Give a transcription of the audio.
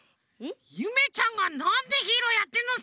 ゆめちゃんがなんでヒーローやってんのさ！